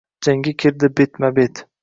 Jangga kirdi betma-bet.